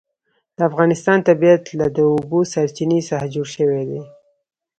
د افغانستان طبیعت له د اوبو سرچینې څخه جوړ شوی دی.